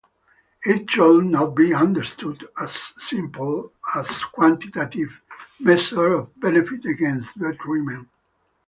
It should not be understood as simply a quantitative measure of benefit against detriment.